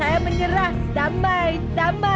aku menyerah damai damai